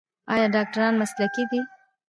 آیا ډاکټران مسلکي دي؟